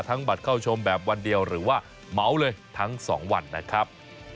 บัตรเข้าชมแบบวันเดียวหรือว่าเหมาเลยทั้ง๒วันนะครับ